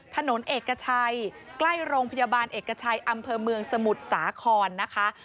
ถนนเอกชัยใกล้โรงพยาบาลเอกชัยอำเภอเมืองสมุทรสาครนะคะ